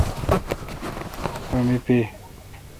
رو می پے۔